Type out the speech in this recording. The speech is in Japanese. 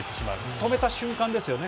止めた瞬間ですよね。